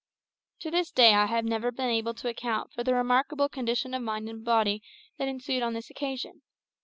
To this day I have never been able to account for the remarkable condition of mind and body that ensued on this occasion.